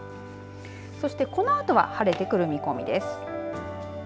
そして、このあとは晴れてくる見込みです。